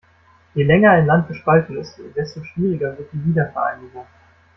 Je länger ein Land gespalten ist, desto schwieriger wird die Wiedervereinigung.